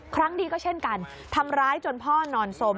ครั้งดีก็เช่นกันทำร้ายจนพ่อนอนสม